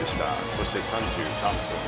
そして３３分